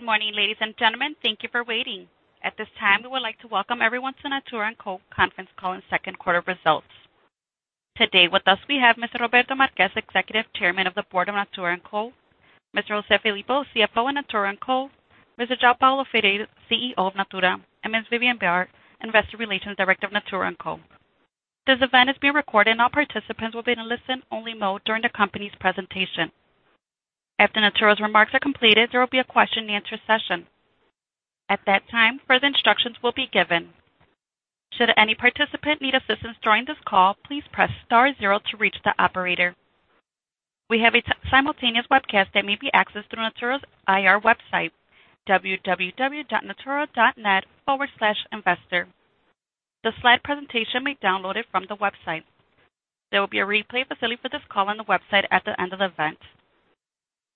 Good morning, ladies and gentlemen. Thank you for waiting. At this time, we would like to welcome everyone to Natura & Co.'s conference call and second quarter results. Today with us, we have Mr. Roberto Marques, Executive Chairman of the Board of Natura & Co., Mr. José Filippo, CFO of Natura & Co., Mr. João Paulo Ferreira, CEO of Natura, and Ms. Viviane Behar. There will be a replay facility for this call on the website at the end of the event.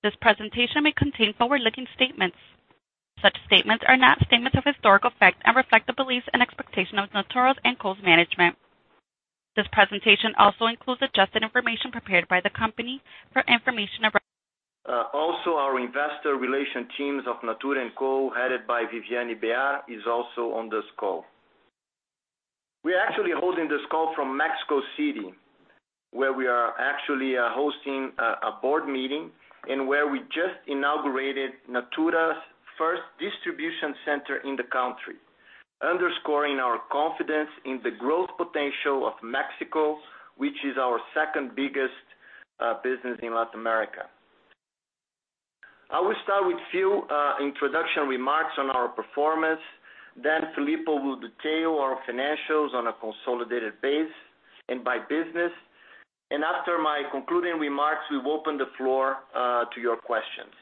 This presentation may contain forward-looking statements. Such statements are not statements of historical fact and reflect the beliefs and expectations of Natura & Co.'s management. This presentation also includes adjusted information prepared by the company. Our investor relation teams of Natura & Co, headed by Viviane Bear, is also on this call. We are actually holding this call from Mexico City, where we are actually hosting a board meeting and where we just inaugurated Natura's first distribution center in the country, underscoring our confidence in the growth potential of Mexico, which is our second-biggest business in Latin America. I will start with a few introduction remarks on our performance. Filippo will detail our financials on a consolidated base and by business. After my concluding remarks, we will open the floor to your questions.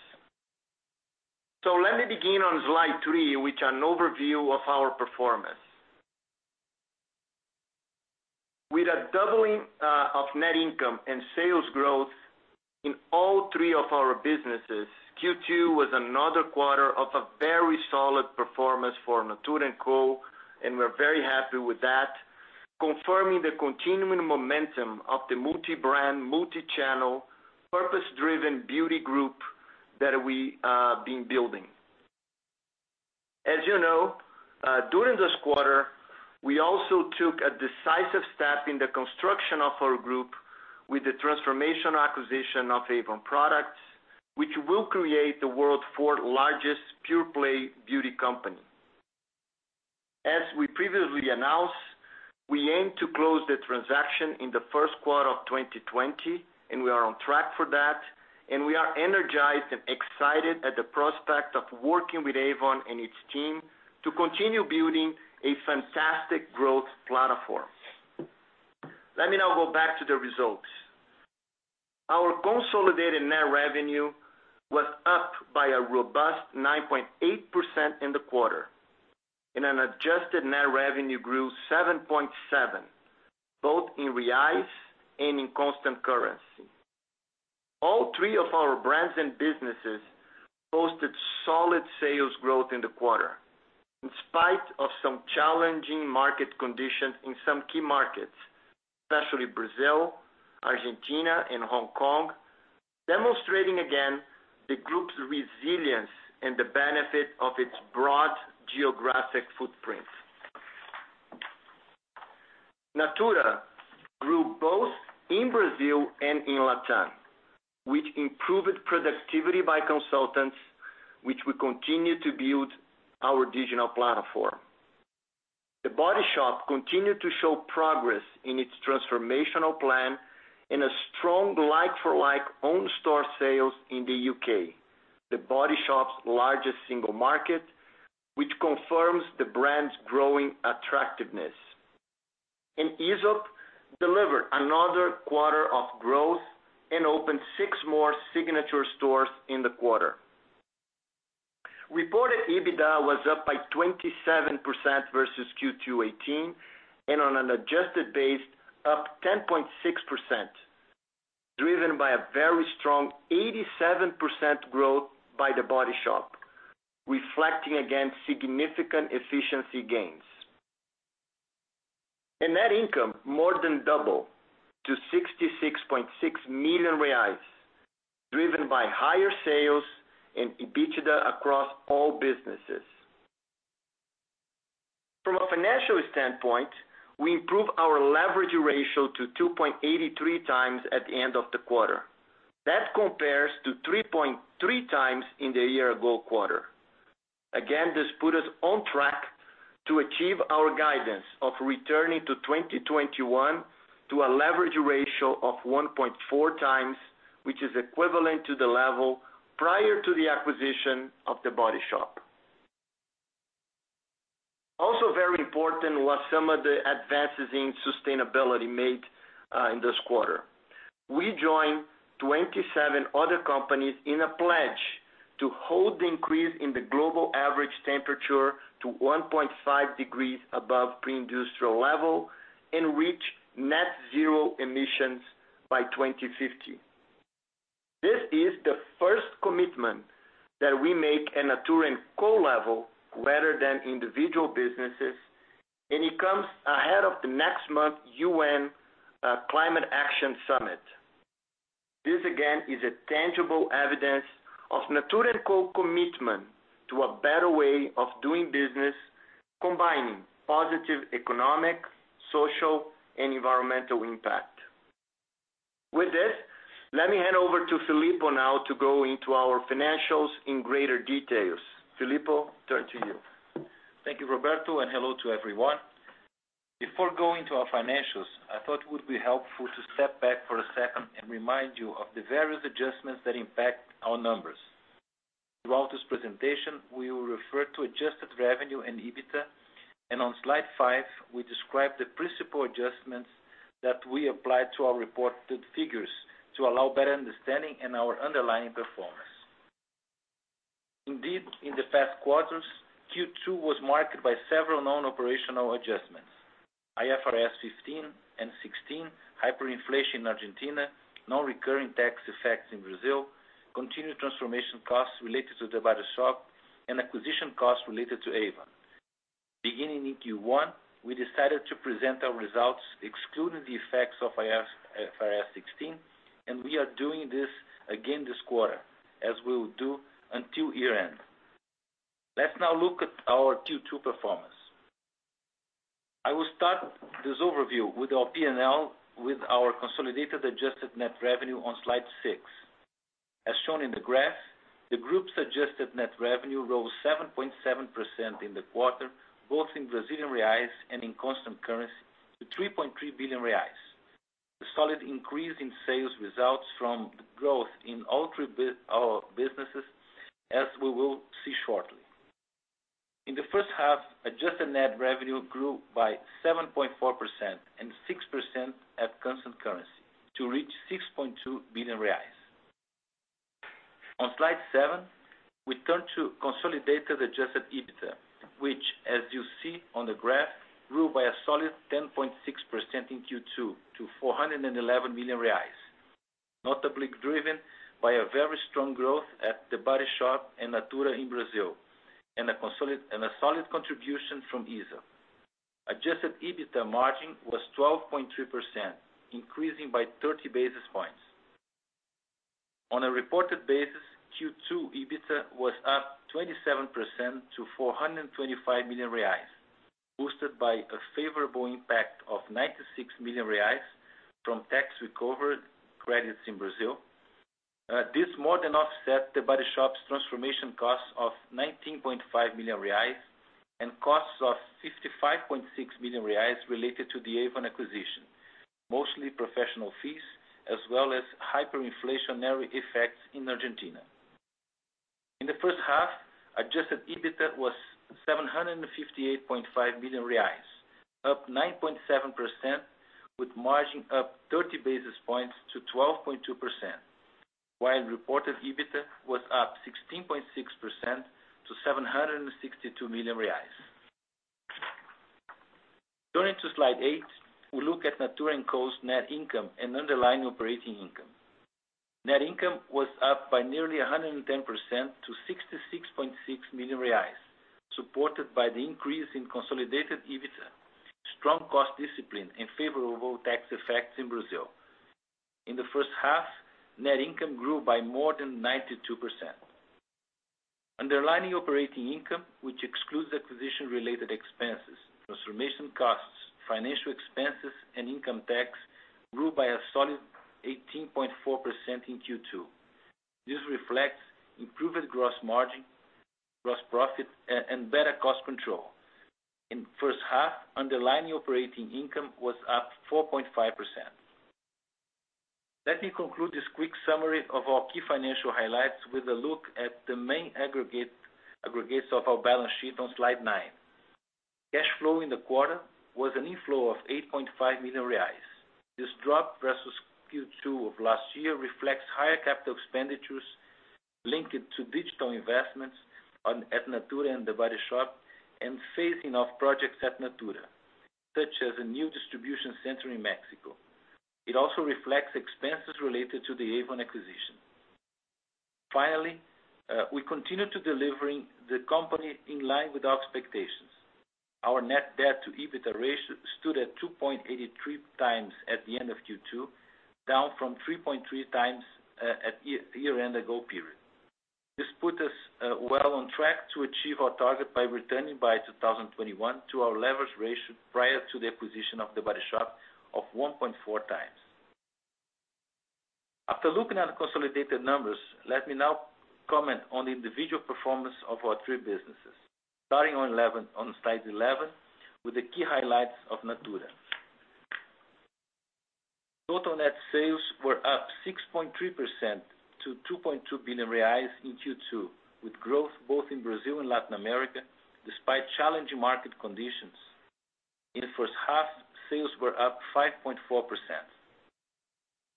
Let me begin on slide three, which is an overview of our performance. With a doubling of net income and sales growth in all three of our businesses, Q2 was another quarter of a very solid performance for Natura & Co. We're very happy with that, confirming the continuing momentum of the multi-brand, multi-channel, purpose-driven beauty group that we have been building. As you know, during this quarter, we also took a decisive step in the construction of our group with the transformation acquisition of Avon Products, which will create the world's fourth-largest pure-play beauty company. As we previously announced, we aim to close the transaction in the first quarter of 2020. We are on track for that, and we are energized and excited at the prospect of working with Avon and its team to continue building a fantastic growth platform. Let me now go back to the results. Our consolidated net revenue was up by a robust 9.8% in the quarter. An adjusted net revenue grew 7.7%, both in BRL and in constant currency. All three of our brands and businesses posted solid sales growth in the quarter, in spite of some challenging market conditions in some key markets, especially Brazil, Argentina, and Hong Kong, demonstrating again the group's resilience and the benefit of its broad geographic footprint. Natura grew both in Brazil and in LatAm, which improved productivity by consultants, which will continue to build our digital platform. The Body Shop continued to show progress in its transformational plan in a strong like-for-like own store sales in the U.K., The Body Shop's largest single market, which confirms the brand's growing attractiveness. Aesop delivered another quarter of growth and opened six more signature stores in the quarter. Reported EBITDA was up by 27% versus Q2 2018, and on an adjusted base, up 10.6%, driven by a very strong 87% growth by The Body Shop, reflecting again significant efficiency gains. Net income more than doubled to 66.6 million reais, driven by higher sales and EBITDA across all businesses. From a financial standpoint, we improved our leverage ratio to 2.83 times at the end of the quarter. That compares to 3.3 times in the year-ago quarter. Again, this put us on track to achieve our guidance of returning to 2021 to a leverage ratio of 1.4 times, which is equivalent to the level prior to the acquisition of The Body Shop. Also very important was some of the advances in sustainability made in this quarter. We joined 27 other companies in a pledge to halt the increase in the global average temperature to 1.5 degrees above pre-industrial level and reach net zero emissions by 2050. This is the first commitment that we make at Natura & Co level rather than individual businesses, and it comes ahead of the next month's UN Climate Action Summit. This again is a tangible evidence of Natura & Co's commitment to a better way of doing business, combining positive economic, social, and environmental impact. With this, let me hand over to Filippo now to go into our financials in greater detail. Filippo, turn to you. Thank you, Roberto, and hello to everyone. Before going to our financials, I thought it would be helpful to step back for a second and remind you of the various adjustments that impact our numbers. Throughout this presentation, we will refer to adjusted revenue and EBITDA, and on slide five, we describe the principal adjustments that we applied to our reported figures to allow better understanding in our underlying performance. Indeed, in the past quarters, Q2 was marked by several non-operational adjustments, IFRS 15 and 16, hyperinflation in Argentina, non-recurring tax effects in Brazil, continued transformation costs related to The Body Shop, and acquisition costs related to Avon. Beginning in Q1, we decided to present our results excluding the effects of IFRS 16, and we are doing this again this quarter, as we will do until year-end. Let's now look at our Q2 performance. I will start this overview with our P&L with our consolidated adjusted net revenue on slide six. As shown in the graph, the group's adjusted net revenue rose 7.7% in the quarter, both in BRL and in constant currency, to 3.3 billion reais. The solid increase in sales results from the growth in all three of our businesses, as we will see shortly. In the first half, adjusted net revenue grew by 7.4% and 6% at constant currency to reach 6.2 billion reais. On slide seven, we turn to consolidated adjusted EBITDA, which as you see on the graph, grew by a solid 10.6% in Q2 to 411 million reais. Notably driven by a very strong growth at The Body Shop and Natura in Brazil, and a solid contribution from Aesop. Adjusted EBITDA margin was 12.3%, increasing by 30 basis points. On a reported basis, Q2 EBITDA was up 27% to 425 million reais, boosted by a favorable impact of 96 million reais from tax recovered credits in Brazil. This more than offset The Body Shop's transformation costs of 19.5 million reais and costs of 55.6 million reais related to the Avon acquisition. Mostly professional fees, as well as hyperinflationary effects in Argentina. In the first half, adjusted EBITDA was 758.5 million reais, up 9.7%, with margin up 30 basis points to 12.2%, while reported EBITDA was up 16.6% to 762 million reais. Turning to slide eight, we look at Natura & Co.'s net income and underlying operating income. Net income was up by nearly 110% to 66.6 million reais, supported by the increase in consolidated EBITDA, strong cost discipline, and favorable tax effects in Brazil. In the first half, net income grew by more than 92%. Underlying operating income, which excludes acquisition-related expenses, transformation costs, financial expenses, and income tax, grew by a solid 18.4% in Q2. This reflects improved gross margin, gross profit, and better cost control. In the first half, underlying operating income was up 4.5%. Let me conclude this quick summary of our key financial highlights with a look at the main aggregates of our balance sheet on slide nine. Cash flow in the quarter was an inflow of 8.5 million reais. This drop versus Q2 of last year reflects higher capital expenditures linked to digital investments at Natura and The Body Shop and phasing of projects at Natura, such as a new distribution center in Mexico. It also reflects expenses related to the Avon acquisition. Finally, we continue to deliver the company in line with our expectations. Our net debt to EBITDA ratio stood at 2.83 times at the end of Q2, down from 3.3 times at year-end the gold period. This put us well on track to achieve our target by returning by 2021 to our leverage ratio prior to the acquisition of The Body Shop of 1.4 times. After looking at the consolidated numbers, let me now comment on the individual performance of our three businesses. Starting on slide 11 with the key highlights of Natura. Total net sales were up 6.3% to 2.2 billion reais in Q2, with growth both in Brazil and Latin America despite challenging market conditions. In the first half, sales were up 5.4%.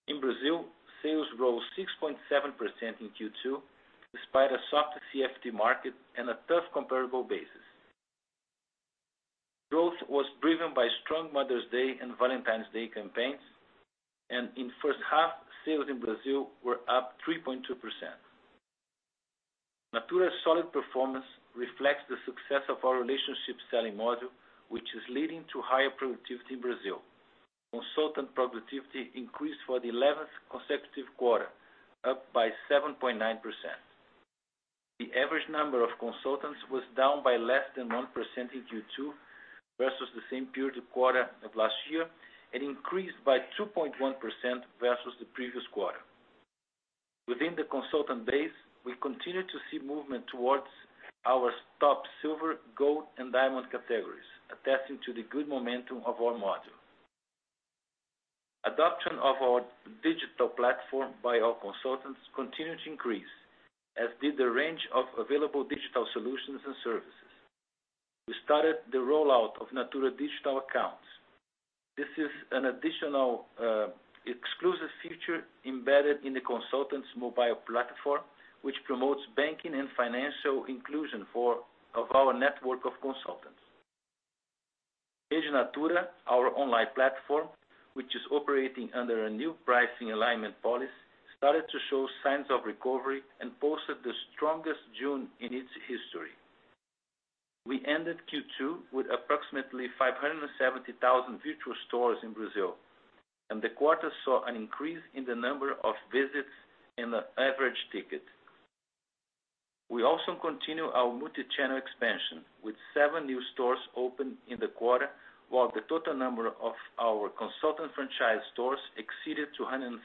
In Brazil, sales rose 6.7% in Q2, despite a softer CFT market and a tough comparable basis. Growth was driven by strong Mother's Day and Valentine's Day campaigns, and in the first half, sales in Brazil were up 3.2%. Natura's solid performance reflects the success of our relationship selling model, which is leading to higher productivity in Brazil. Consultant productivity increased for the 11th consecutive quarter, up by 7.9%. The average number of consultants was down by less than 1% in Q2 versus the same period quarter of last year and increased by 2.1% versus the previous quarter. Within the consultant base, we continue to see movement towards our top silver, gold, and diamond categories, attesting to the good momentum of our model. Adoption of our digital platform by our consultants continued to increase, as did the range of available digital solutions and services. We started the rollout of Natura digital accounts. This is an additional exclusive feature embedded in the consultants' mobile platform, which promotes banking and financial inclusion of our network of consultants. Rede Natura, our online platform, which is operating under a new pricing alignment policy, started to show signs of recovery and posted the strongest June in its history. We ended Q2 with approximately 570,000 virtual stores in Brazil, and the quarter saw an increase in the number of visits and the average ticket. We also continue our multi-channel expansion with seven new stores open in the quarter, while the total number of our consultant franchise stores exceeded 250.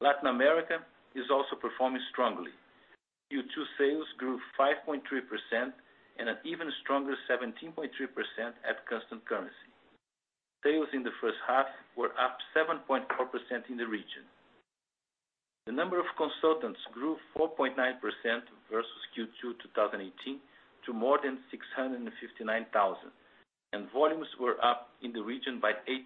Latin America is also performing strongly. Q2 sales grew 5.3% and an even stronger 17.3% at constant currency. Sales in the first half were up 7.4% in the region. The number of consultants grew 4.9% versus Q2 2018 to more than 659,000, and volumes were up in the region by 8%.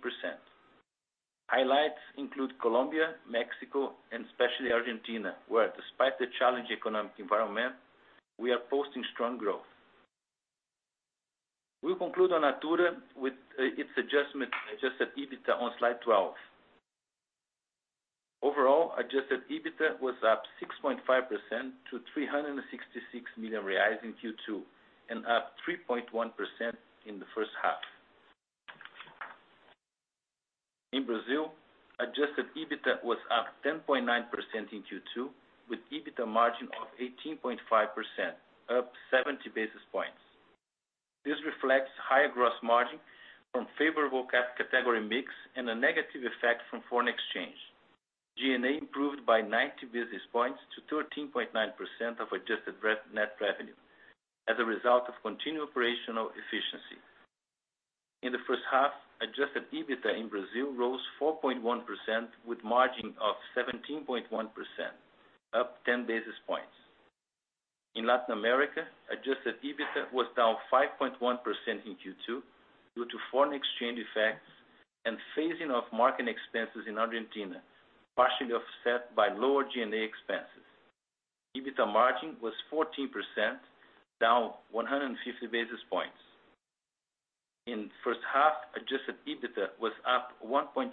Highlights include Colombia, Mexico, and especially Argentina, where despite the challenging economic environment, we are posting strong growth. We conclude on Natura with its adjusted EBITDA on slide 12. Overall, adjusted EBITDA was up 6.5% to 366 million reais in Q2 and up 3.1% in the first half. In Brazil, adjusted EBITDA was up 10.9% in Q2 with EBITDA margin of 18.5% up 70 basis points. This reflects higher gross margin from favorable category mix and a negative effect from foreign exchange. G&A improved by 90 basis points to 13.9% of adjusted net revenue as a result of continued operational efficiency. In the first half, adjusted EBITDA in Brazil rose 4.1% with margin of 17.1% up 10 basis points. In Latin America, adjusted EBITDA was down 5.1% in Q2 due to foreign exchange effects and phasing of marketing expenses in Argentina, partially offset by lower G&A expenses. EBITDA margin was 14%, down 150 basis points. In the first half, adjusted EBITDA was up 1.3%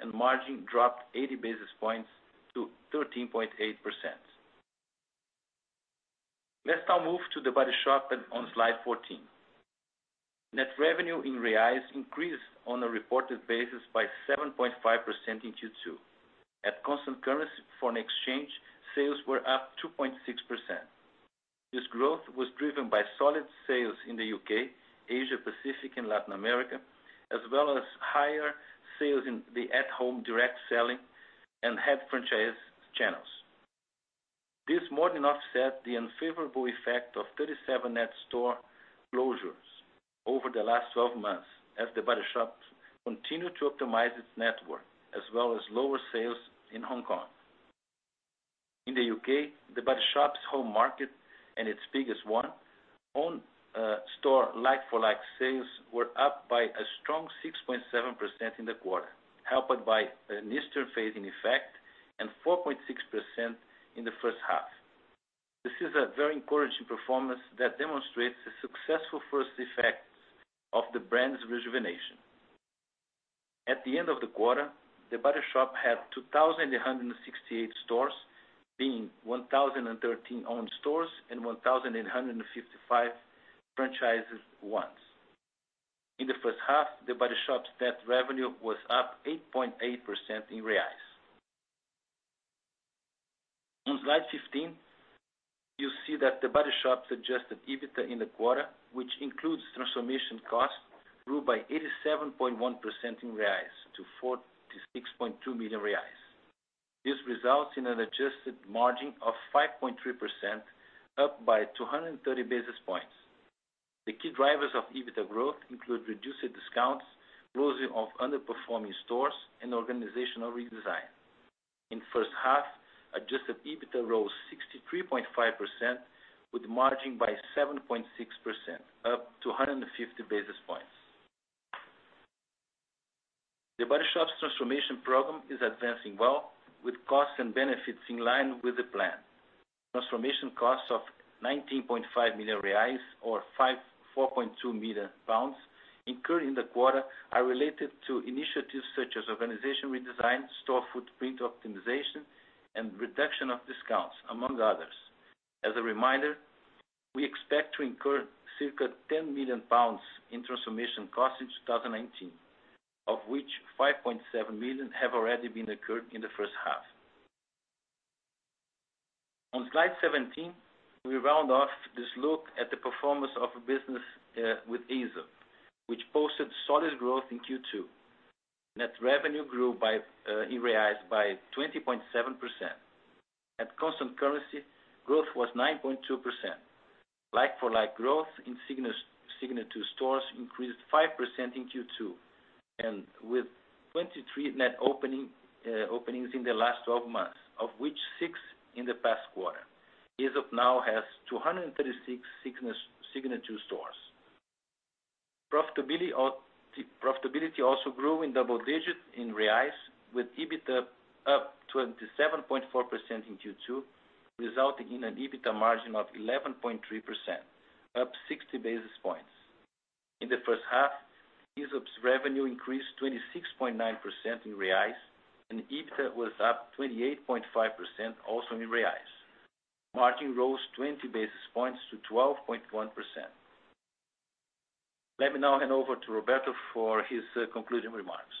and margin dropped 80 basis points to 13.8%. Let's now move to The Body Shop on slide 14. Net revenue in BRL increased on a reported basis by 7.5% in Q2. At constant currency foreign exchange, sales were up 2.6%. This growth was driven by solid sales in the U.K., Asia Pacific, and Latin America, as well as higher sales in the at-home direct selling and head franchise channels. This more than offset the unfavorable effect of 37 net store closures over the last 12 months as The Body Shop continued to optimize its network as well as lower sales in Hong Kong. In the U.K., The Body Shop's home market and its biggest one, owned store like-for-like sales were up by a strong 6.7% in the quarter, helped by an Easter phasing effect and 4.6% in the first half. This is a very encouraging performance that demonstrates the successful first effects of the brand's rejuvenation. At the end of the quarter, The Body Shop had 2,168 stores, being 1,013 owned stores and 1,855 franchised ones. In the first half, The Body Shop's net revenue was up 8.8% in BRL. On slide 15, you'll see that The Body Shop suggested EBITDA in the quarter, which includes transformation cost, grew by 87.1% in BRL to 46.2 million reais. This results in an adjusted margin of 5.3% up by 230 basis points. The key drivers of EBITDA growth include reduced discounts, closing of underperforming stores, and organizational redesign. In the first half, adjusted EBITDA rose 63.5% with margin by 7.6% up 250 basis points. The Body Shop's transformation program is advancing well with costs and benefits in line with the plan. Transformation costs of 19.5 million reais or 4.2 million pounds incurred in the quarter are related to initiatives such as organization redesign, store footprint optimization, and reduction of discounts, among others. As a reminder, we expect to incur circa 10 million pounds in transformation costs in 2019, of which 5.7 million have already been incurred in the first half. On slide 17, we round off this look at the performance of the business with Aesop, which posted solid growth in Q2. Net revenue grew in BRL by 20.7%. At constant currency, growth was 9.2%. Like-for-like growth in signature stores increased 5% in Q2, and with 23 net openings in the last 12 months, of which six in the past quarter. Aesop now has 236 signature stores. Profitability also grew in double digits in reais with EBITDA up 27.4% in Q2, resulting in an EBITDA margin of 11.3%, up 60 basis points. In the first half, Aesop's revenue increased 26.9% in reais and EBITDA was up 28.5%, also in reais. Margin rose 20 basis points to 12.1%. Let me now hand over to Roberto for his concluding remarks.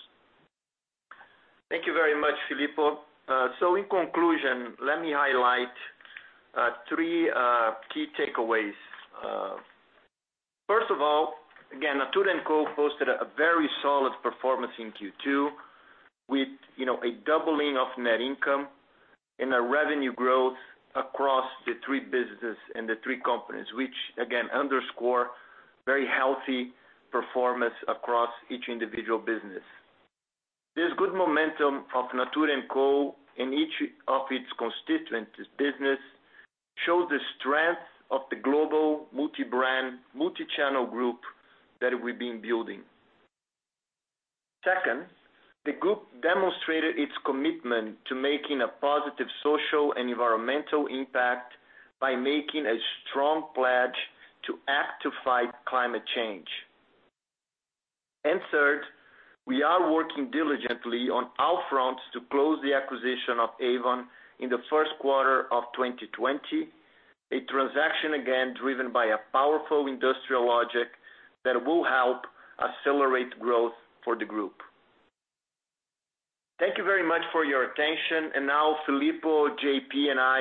Thank you very much, Filippo. In conclusion, let me highlight three key takeaways. First of all, again, Natura & Co posted a very solid performance in Q2 with a doubling of net income and a revenue growth across the three businesses and the three companies, which again underscore very healthy performance across each individual business. This good momentum of Natura & Co in each of its constituent business shows the strength of the global multi-brand, multi-channel group that we've been building. Second, the group demonstrated its commitment to making a positive social and environmental impact by making a strong pledge to act to fight climate change. Third, we are working diligently on all fronts to close the acquisition of Avon in the first quarter of 2020. A transaction, again, driven by a powerful industrial logic that will help accelerate growth for the group. Thank you very much for your attention. Now Filippo, J.P., and I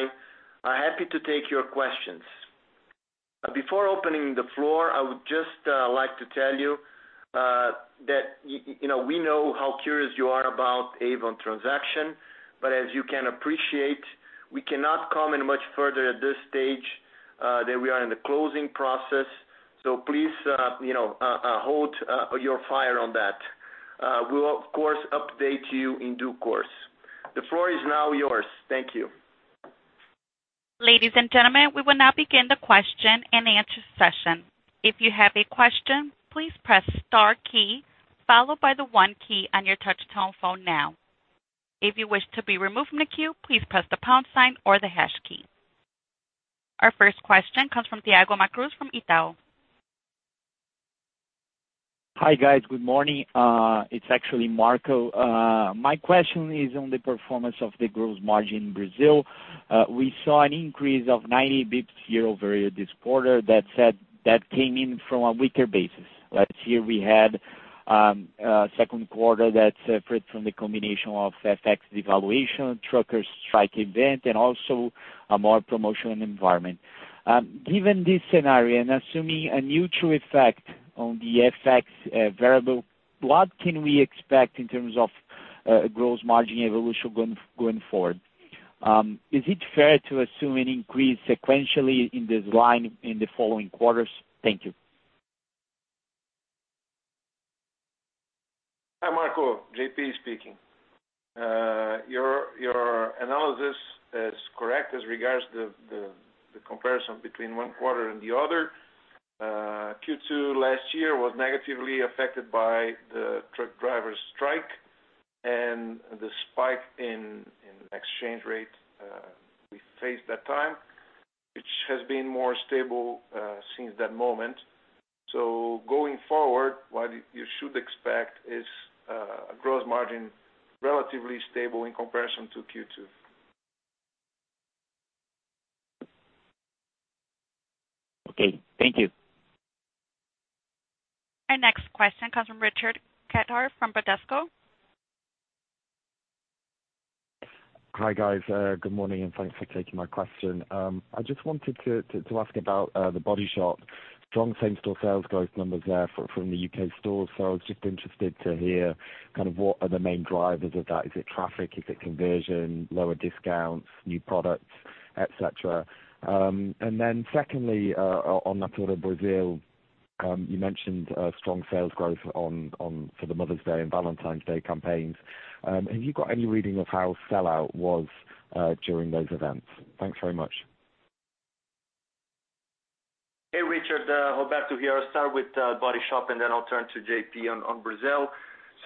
are happy to take your questions. Before opening the floor, I would just like to tell you that we know how curious you are about Avon transaction. As you can appreciate, we cannot comment much further at this stage that we are in the closing process. Please hold your fire on that. We'll of course update you in due course. The floor is now yours. Thank you. Ladies and gentlemen, we will now begin the question and answer session. If you have a question, please press star key followed by the one key on your touch-tone phone now. If you wish to be removed from the queue, please press the pound sign or the hash key. Our first question comes from Thiago Macruz from Itaú. Hi, guys. Good morning. It's actually Marco. My question is on the performance of the gross margin in Brazil. We saw an increase of 90 basis points year-over-year this quarter that came in from a weaker basis. Last year we had a second quarter that suffered from the combination of FX devaluation, truckers' strike event, and also a more promotional environment. Given this scenario and assuming a neutral effect on the FX variable, what can we expect in terms of gross margin evolution going forward? Is it fair to assume an increase sequentially in this line in the following quarters? Thank you. Hi, Marco. JP speaking. Your analysis is correct as regards the comparison between one quarter and the other. Q2 last year was negatively affected by the truck drivers' strike and the spike in exchange rate we faced that time, which has been more stable since that moment. Going forward, what you should expect is a gross margin relatively stable in comparison to Q2. Okay. Thank you. Our next question comes from Richard Cathcart from Bradesco. Hi, guys. Good morning, and thanks for taking my question. I just wanted to ask about The Body Shop. Strong same-store sales growth numbers there from the U.K. stores. I was just interested to hear kind of what are the main drivers of that. Is it traffic? Is it conversion, lower discounts, new products, et cetera? Secondly, on Natura Brazil, you mentioned strong sales growth for the Mother's Day and Valentine's Day campaigns. Have you got any reading of how sellout was during those events? Thanks very much. Hey, Richard. Roberto here. I'll start with The Body Shop, and then I'll turn to JP on Brazil.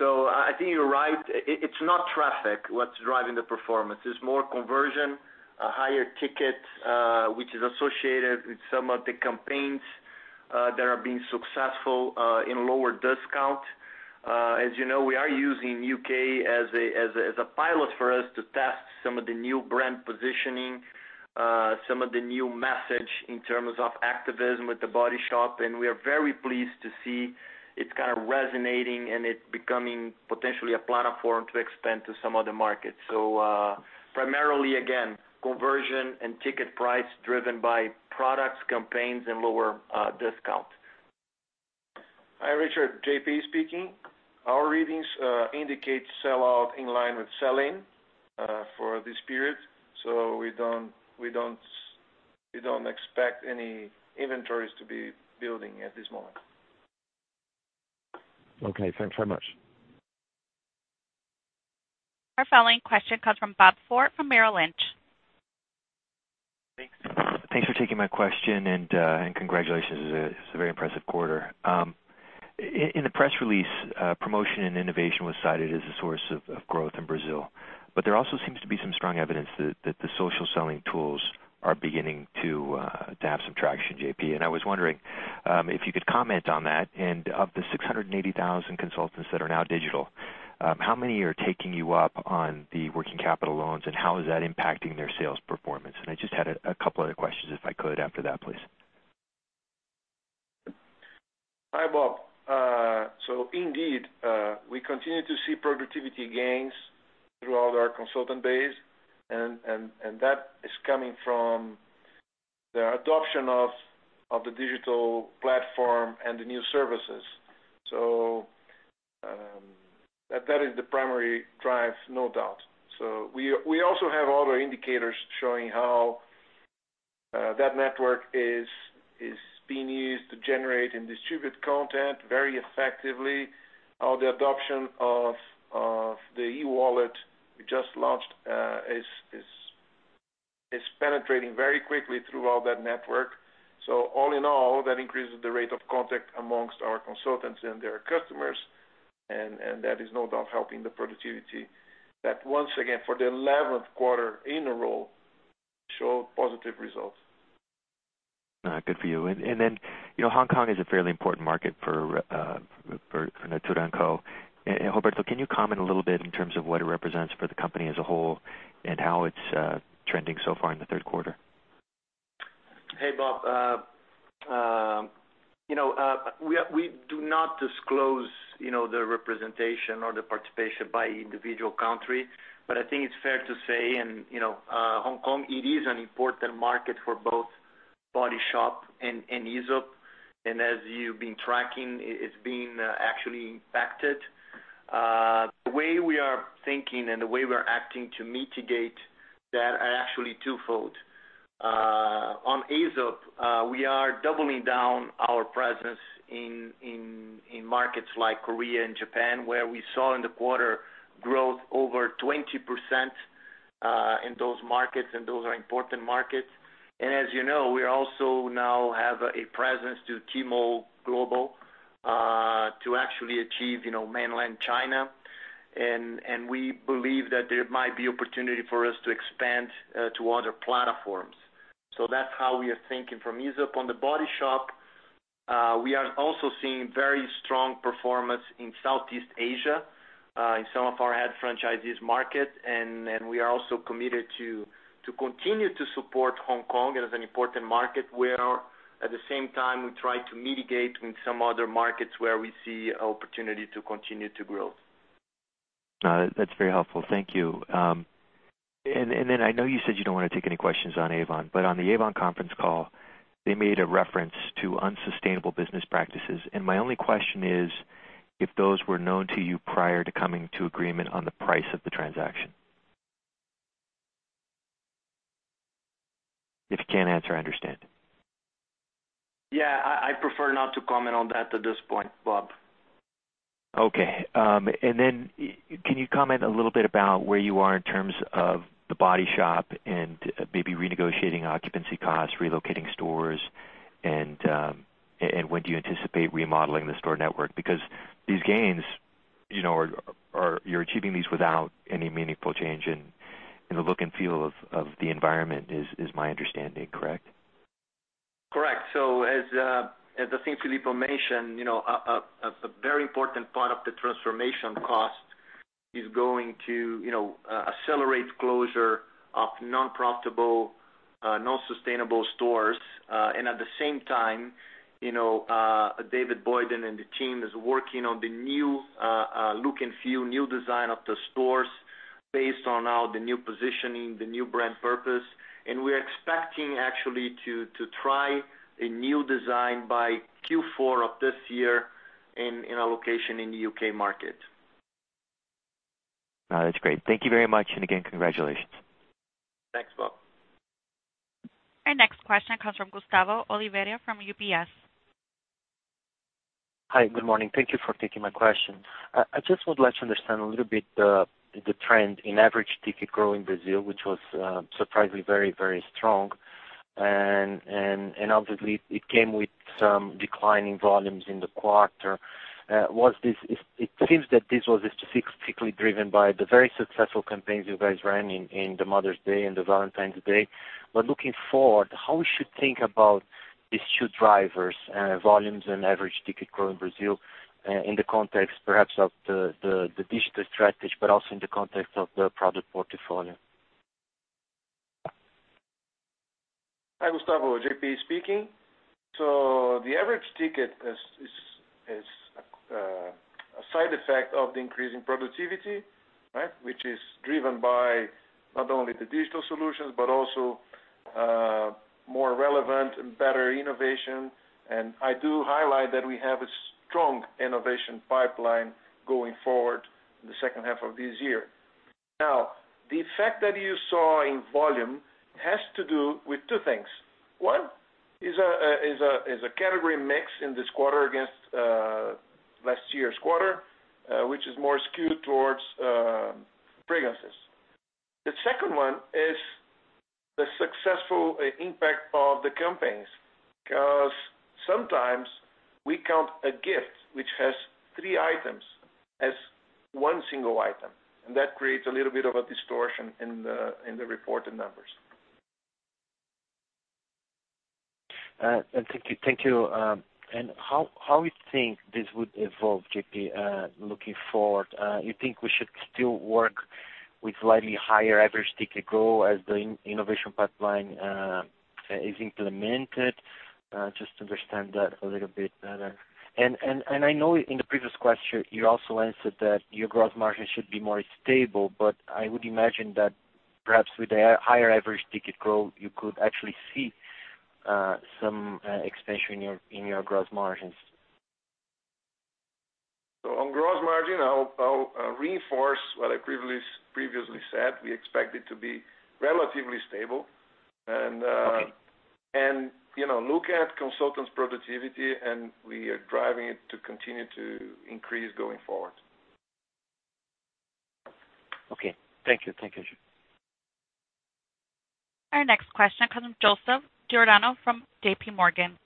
I think you're right. It's not traffic what's driving the performance. It's more conversion, a higher ticket, which is associated with some of the campaigns that are being successful in lower discount. As you know, we are using U.K. as a pilot for us to test some of the new brand positioning, some of the new message in terms of activism with The Body Shop, and we are very pleased to see it's resonating, and it becoming potentially a platform to expand to some other markets. Primarily, again, conversion and ticket price driven by products, campaigns, and lower discount. Hi, Richard. JP speaking. Our readings indicate sell-off in line with sell-in for this period. We don't expect any inventories to be building at this moment. Okay. Thanks very much. Our following question comes from Robert Ford from Merrill Lynch. Thanks for taking my question and congratulations. This is a very impressive quarter. In the press release, promotion and innovation was cited as a source of growth in Brazil. There also seems to be some strong evidence that the social selling tools are beginning to have some traction, J.P. I was wondering if you could comment on that, and of the 680,000 consultants that are now digital, how many are taking you up on the working capital loans, and how is that impacting their sales performance? I just had a couple other questions, if I could, after that, please. Hi, Bob. Indeed, we continue to see productivity gains throughout our consultant base, and that is coming from the adoption of the digital platform and the new services. That is the primary drive, no doubt. We also have other indicators showing how that network is being used to generate and distribute content very effectively, how the adoption of the e-wallet we just launched is penetrating very quickly throughout that network. All in all, that increases the rate of contact amongst our consultants and their customers, and that is no doubt helping the productivity. That once again, for the 11th quarter in a row, showed positive results. Good for you. Hong Kong is a fairly important market for Natura & Co. Roberto, can you comment a little bit in terms of what it represents for the company as a whole and how it's trending so far in the third quarter? Hey, Bob. We do not disclose the representation or the participation by individual country. I think it's fair to say in Hong Kong, it is an important market for both Body Shop and Aesop, and as you've been tracking, it's been actually impacted. The way we are thinking and the way we're acting to mitigate that are actually twofold. On Aesop, we are doubling down our presence in markets like Korea and Japan, where we saw in the quarter growth over 20% in those markets, and those are important markets. As you know, we also now have a presence to Tmall Global, to actually achieve Mainland China. We believe that there might be opportunity for us to expand to other platforms. That's how we are thinking from Aesop. On The Body Shop, we are also seeing very strong performance in Southeast Asia, in some of our head franchisees market, and we are also committed to continue to support Hong Kong as an important market where, at the same time, we try to mitigate in some other markets where we see opportunity to continue to grow. That's very helpful. Thank you. I know you said you don't want to take any questions on Avon, but on the Avon conference call, they made a reference to unsustainable business practices. My only question is, if those were known to you prior to coming to agreement on the price of the transaction. If you can't answer, I understand. Yeah, I prefer not to comment on that at this point, Bob. Okay. Then can you comment a little bit about where you are in terms of The Body Shop and maybe renegotiating occupancy costs, relocating stores and when do you anticipate remodeling the store network? These gains, you're achieving these without any meaningful change in the look and feel of the environment, is my understanding correct? Correct. As I think Filippo mentioned, a very important part of the transformation cost is going to accelerate closure of non-profitable, non-sustainable stores. At the same time, David Boynton and the team is working on the new look and feel, new design of the stores based on now the new positioning, the new brand purpose. We're expecting actually to try a new design by Q4 of this year in a location in the U.K. market. That's great. Thank you very much. Again, congratulations. Thanks, Bob. Our next question comes from Gustavo Oliveira from UBS. Hi, good morning. Thank you for taking my question. I just would like to understand a little bit the trend in average ticket growth in Brazil, which was surprisingly very strong. Obviously, it came with some declining volumes in the quarter. It seems that this was specifically driven by the very successful campaigns you guys ran in the Mother's Day and the Valentine's Day. Looking forward, how we should think about these two drivers, volumes and average ticket growth in Brazil, in the context perhaps of the digital strategy, but also in the context of the product portfolio? Hi, Gustavo, JP speaking. The average ticket is a side effect of the increase in productivity, which is driven by not only the digital solutions, but also more relevant and better innovation. I do highlight that we have a strong innovation pipeline going forward in the second half of this year. The effect that you saw in volume has to do with two things. One is a category mix in this quarter against last year's quarter, which is more skewed towards fragrances. The second one is the successful impact of the campaigns, because sometimes we count a gift which has three items as one single item, and that creates a little bit of a distortion in the reported numbers. Thank you. How you think this would evolve, JP, looking forward? You think we should still work with slightly higher average ticket growth as the innovation pipeline is implemented? Just to understand that a little bit better. I know in the previous question, you also answered that your growth margin should be more stable, but I would imagine that perhaps with a higher average ticket growth, you could actually see some expansion in your growth margins. On gross margin, I'll reinforce what I previously said. We expect it to be relatively stable. Okay. Look at consultants' productivity, and we are driving it to continue to increase going forward. Okay. Thank you, JP. Our next question comes from Joseph Giordano from JP Morgan.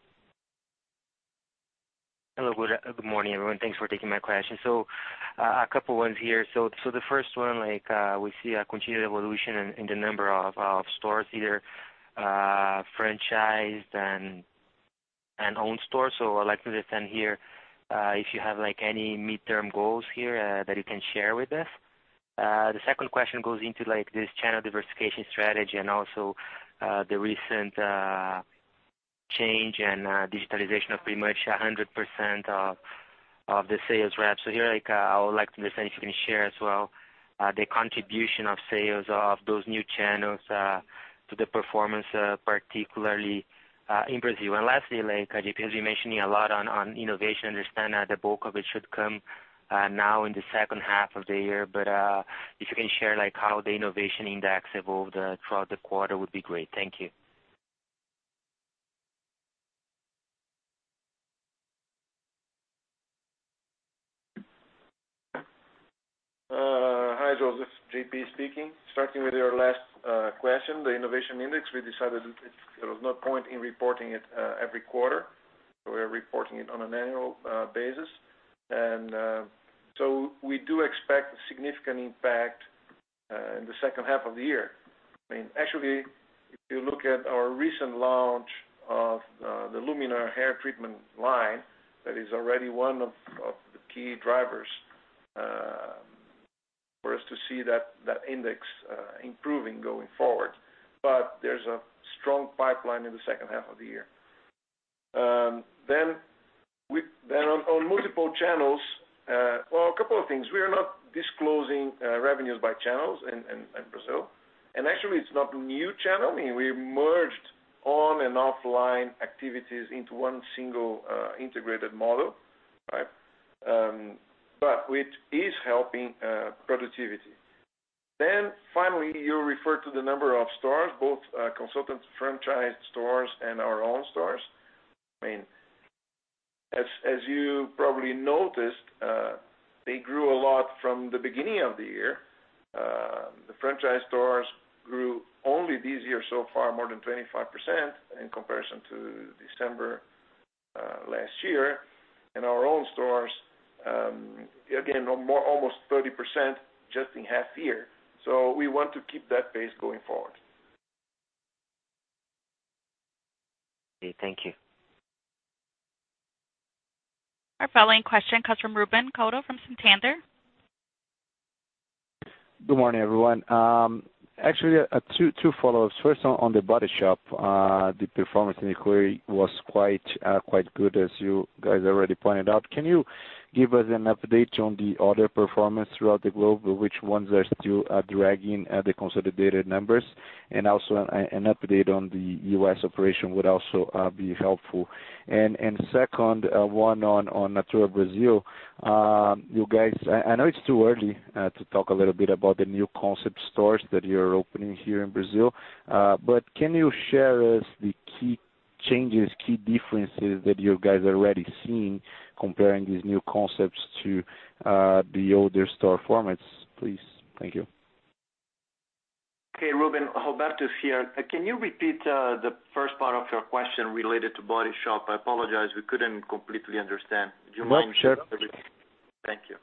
Hello, good morning, everyone. Thanks for taking my question. A couple ones here. The first one, we see a continued evolution in the number of stores, either franchised and owned stores. I'd like to understand here if you have any midterm goals here that you can share with us. The second question goes into this channel diversification strategy and also the recent change and digitalization of pretty much 100% of the sales reps. Here, I would like to understand if you can share as well the contribution of sales of those new channels to the performance, particularly in Brazil. Lastly, JP, as you're mentioning a lot on innovation, understand that the bulk of it should come now in the second half of the year. If you can share how the Innovation Index evolved throughout the quarter would be great. Thank you. Hi, Joseph. JP speaking. Starting with your last question, the Innovation Index, we decided there was no point in reporting it every quarter. We're reporting it on an annual basis. We do expect a significant impact in the second half of the year. Actually, if you look at our recent launch of the Lumina hair treatment line, that is already one of the key drivers for us to see that Innovation Index improving going forward. There's a strong pipeline in the second half of the year. On multiple channels, well, a couple of things. We are not disclosing revenues by channels in Brazil. Actually, it's not new channel. We merged on and offline activities into one single integrated model. Which is helping productivity. Finally, you referred to the number of stores, both consultant franchise stores and our own stores. As you probably noticed, they grew a lot from the beginning of the year. The franchise stores grew only this year so far more than 25% in comparison to December last year. Our own stores, again, almost 30% just in half year. We want to keep that pace going forward. Okay, thank you. Our following question comes from Ruben Couto from Santander. Good morning, everyone. Actually, two follow-ups. First, on The Body Shop, the performance in the quarter was quite good as you guys already pointed out. Can you give us an update on the other performance throughout the globe? Which ones are still dragging the consolidated numbers? Also, an update on the U.S. operation would also be helpful. Second one on Natura Brazil. I know it's too early to talk a little bit about the new concept stores that you're opening here in Brazil. Can you share with us the key changes, key differences that you guys are already seeing comparing these new concepts to the older store formats, please? Thank you. Okay, Ruben. Roberto is here. Can you repeat the first part of your question related to The Body Shop? I apologize, we couldn't completely understand. Do you mind repeating? No, sure. Thank you.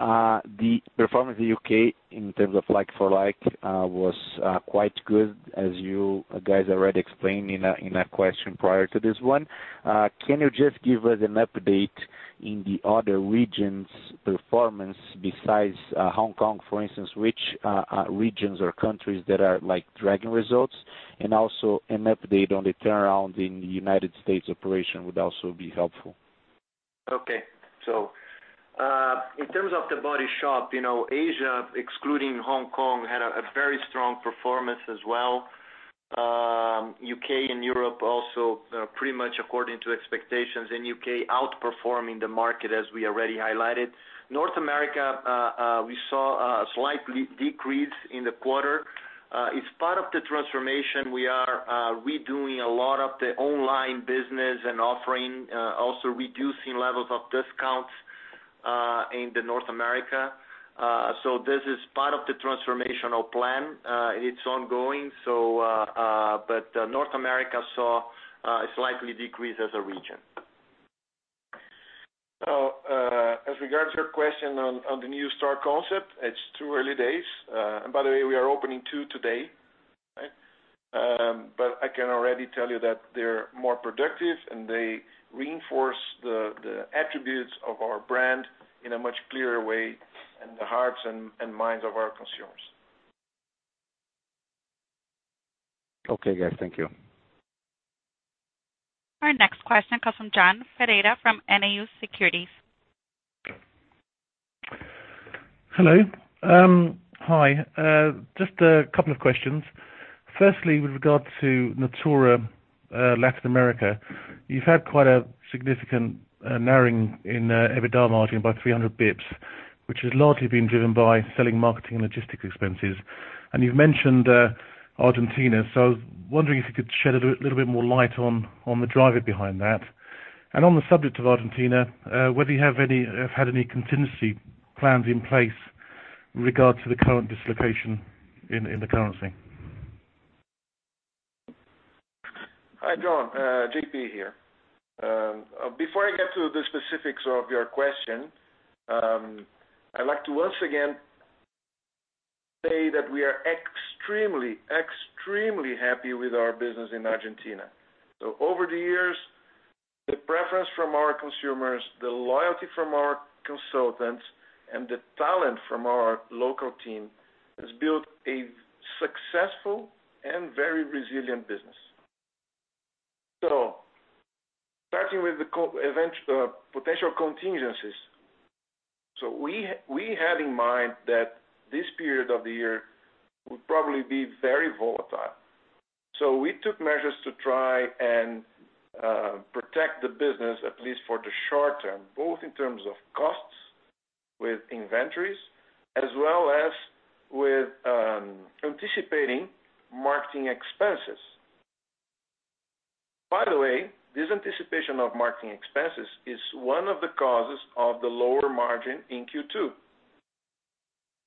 The performance in the U.K. in terms of like-for-like was quite good, as you guys already explained in a question prior to this one. Can you just give us an update in the other regions' performance besides Hong Kong, for instance, which regions or countries that are driving results? Also an update on the turnaround in the U.S. operation would also be helpful. Okay. In terms of The Body Shop, Asia, excluding Hong Kong, had a very strong performance as well. U.K. and Europe also pretty much according to expectations, and U.K. outperforming the market as we already highlighted. North America, we saw a slight decrease in the quarter. As part of the transformation, we are redoing a lot of the online business and offering, also reducing levels of discounts in North America. This is part of the transformational plan. It's ongoing. North America saw a slight decrease as a region. As regards your question on the new store concept, it's too early days. By the way, we are opening two today. I can already tell you that they're more productive, and they reinforce the attributes of our brand in a much clearer way in the hearts and minds of our consumers. Okay, guys. Thank you. Our next question comes from John Ferreira from NAU Securities. Hello. Hi. Just a couple of questions. Firstly, with regard to Natura Latin America, you've had quite a significant narrowing in EBITDA margin by 300 basis points, which has largely been driven by selling, marketing, and logistics expenses. You've mentioned Argentina, so I was wondering if you could shed a little bit more light on the driver behind that. On the subject of Argentina, whether you have had any contingency plans in place with regard to the current dislocation in the currency. Hi, John. JP here. Before I get to the specifics of your question, I'd like to once again say that we are extremely happy with our business in Argentina. Over the years, the preference from our consumers, the loyalty from our consultants, and the talent from our local team has built a successful and very resilient business. Starting with the potential contingencies. We had in mind that this period of the year would probably be very volatile. We took measures to try and protect the business, at least for the short term, both in terms of costs with inventories, as well as with anticipating marketing expenses. This anticipation of marketing expenses is one of the causes of the lower margin in Q2.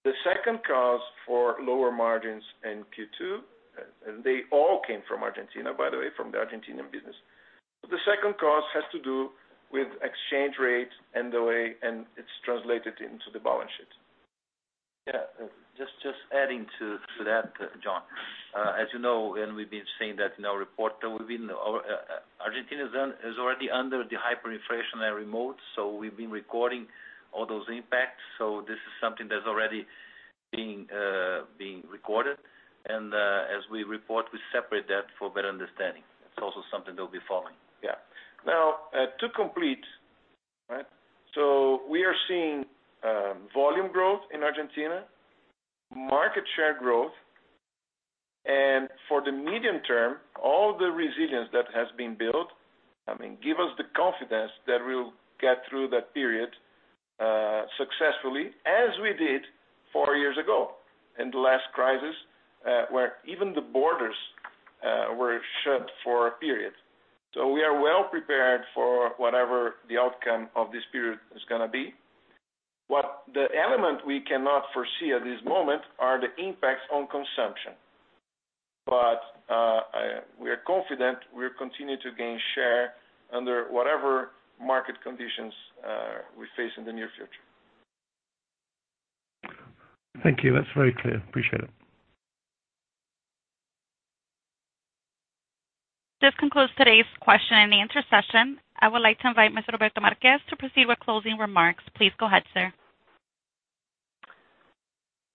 The second cause for lower margins in Q2, and they all came from Argentina, by the way, from the Argentinian business. The second cause has to do with exchange rates and the way it is translated into the balance sheet. Yeah. Just adding to that, John. As you know, we've been saying that in our report that Argentina is already under the hyperinflationary mode, we've been recording all those impacts. This is something that's already being recorded. As we report, we separate that for better understanding. It's also something that we'll be following. Yeah. Now, to complete. We are seeing volume growth in Argentina, market share growth. For the medium term, all the resilience that has been built give us the confidence that we'll get through that period successfully, as we did four years ago in the last crisis, where even the borders were shut for a period. We are well prepared for whatever the outcome of this period is going to be. What the element we cannot foresee at this moment are the impacts on consumption. We are confident we'll continue to gain share under whatever market conditions we face in the near future. Thank you. That's very clear. Appreciate it. This concludes today's question and answer session. I would like to invite Mr. Roberto Marques to proceed with closing remarks. Please go ahead, sir.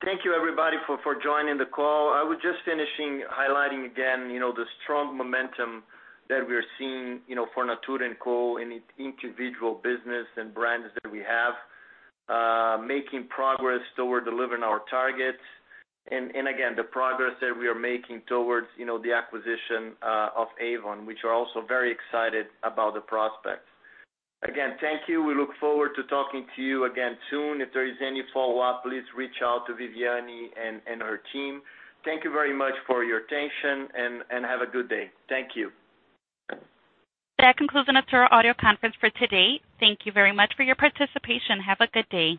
Thank you, everybody, for joining the call. I was just finishing highlighting again the strong momentum that we're seeing for Natura & Co. in each individual business and brands that we have, making progress toward delivering our targets. Again, the progress that we are making toward the acquisition of Avon, which we're also very excited about the prospects. Again, thank you. We look forward to talking to you again soon. If there is any follow-up, please reach out to Viviane and her team. Thank you very much for your attention, and have a good day. Thank you. That concludes the Natura audio conference for today. Thank you very much for your participation. Have a good day.